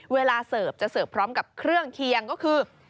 เสิร์ฟจะเสิร์ฟพร้อมกับเครื่องเคียงก็คือ